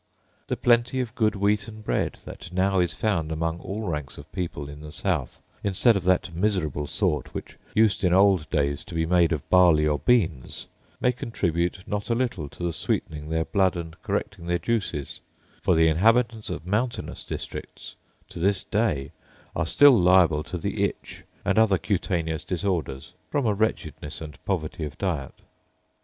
The plenty of good wheaten bread that now is found among all ranks of people in the south, instead of that miserable sort which used in old days to be made of barley or beans, may contribute not a little to the sweetening their blood and correcting their juices; for the inhabitants of mountainous districts, to this day, are still liable to the itch and other cutaneous disorders, from a wretchedness and poverty of diet.